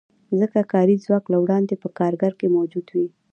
ځکه کاري ځواک له وړاندې په کارګر کې موجود وي